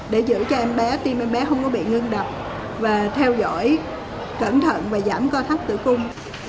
để giữ cho em bé tim em bé không có bị ngưng độc và theo dõi cẩn thận và giảm co thắt tử cung